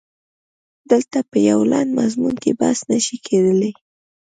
دلته په یوه لنډ مضمون کې بحث نه شي کېدلای.